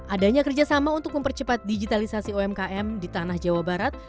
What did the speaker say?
adanya kerjasama untuk mempercepat digitalisasi umkm di tanah jawa barat